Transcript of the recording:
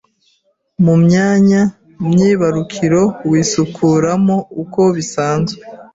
Mu myanya myibarukiro wisukuramo uko bisanzwe